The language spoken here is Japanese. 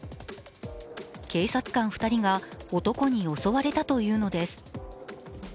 警察官２人が男に襲われたというのです。